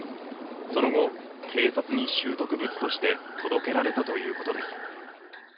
その後、警察に拾得物として届けられたということです。